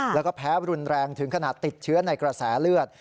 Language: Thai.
แล้วก็แพ้รุนแรงถึงขนาดติดเชื้อในกระแสเลือด